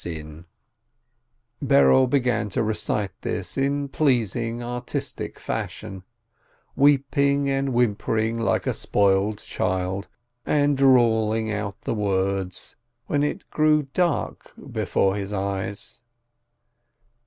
196 KOSENTHAL Berel begau to recite this in pleasing, artistic fashion, weeping and whimpering like a spoiled child, and drawl ing out the words, when it grew dark before his eyes.